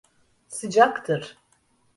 Sıcaktır.